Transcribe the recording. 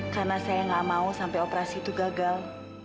karena saya tidak mau sampai operasi itu gagal